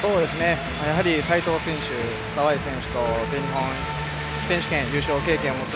やはり齊藤選手、澤江選手全日本選手権優勝経験を持つ